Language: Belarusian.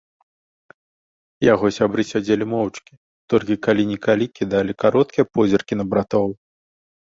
Яго сябры сядзелі моўчкі, толькі калі-нікалі кідалі кароткія позіркі на братоў.